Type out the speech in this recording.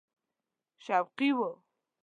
شوقي وو.